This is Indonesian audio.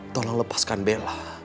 tolong lepaskan bella